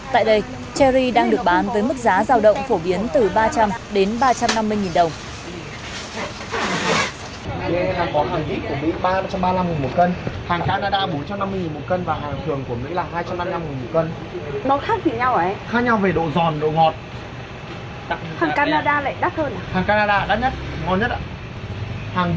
tại đây cherry đang được bán với mức giá giao động phổ biến từ ba trăm linh đến ba trăm năm mươi đồng